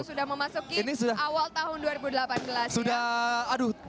sudah memasuki awal tahun